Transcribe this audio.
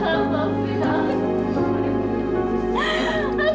maafkan aku pak